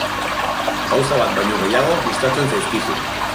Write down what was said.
Gauza bat baino gehiago gustatzen zaizkizu.